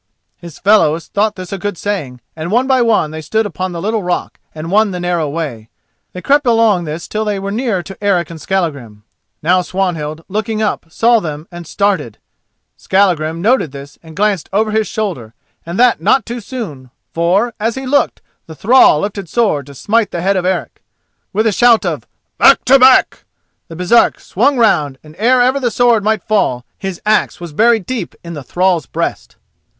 His fellows thought this a good saying, and one by one they stood upon the little rock and won the narrow way. They crept along this till they were near to Eric and Skallagrim. Now Swanhild, looking up, saw them and started. Skallagrim noted this and glanced over his shoulder, and that not too soon, for, as he looked, the thrall lifted sword to smite the head of Eric. With a shout of "Back to back!" the Baresark swung round and ere ever the sword might fall his axe was buried deep in the thrall's breast.